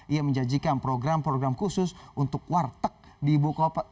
ia menjanjikan program program khusus untuk warteg di ibu kota